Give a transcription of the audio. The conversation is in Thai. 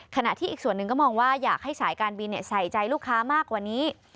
ขณะที่อีกส่วนหนึ่งก็มองว่าอยากให้สายการบินใส่ใจลูกค้ามากกว่านี้